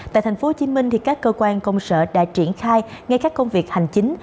tại thành phố hồ chí minh các cơ quan công sở đã triển khai ngay các công việc hành chính